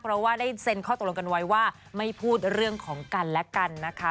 เพราะว่าได้เซ็นข้อตกลงกันไว้ว่าไม่พูดเรื่องของกันและกันนะคะ